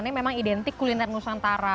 ini memang identik kuliner nusantara